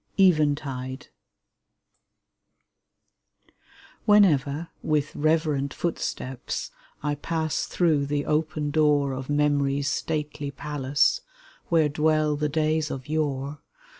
EVENTIDE Whenever, with reverent footsteps, I pass through the open door Of Memory's stately palace, Where dwell the days of yore.